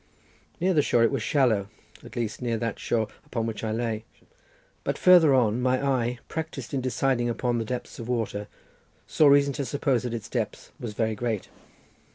Near the shore it was shallow, at least near that shore upon which I lay. But farther on, my eye, practised in deciding upon the depths of waters, saw reason to suppose that its depth was very great.